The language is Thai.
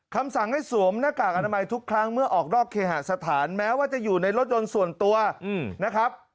คำสั่งให้สวมหน้ากากอนามัยทุกครั้งเมื่อออกนอกเคหาสถานแม้ว่าจะอยู่ในรถยนต์ส่วนตัวนะครับ